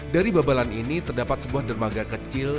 dari babalan ini terdapat sebuah dermaga kecil